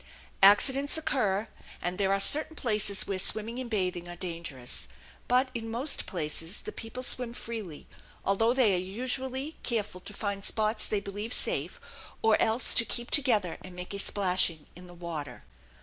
Accidents occur, and there are certain places where swimming and bathing are dangerous; but in most places the people swim freely, although they are usually careful to find spots they believe safe or else to keep together and make a splashing in the water.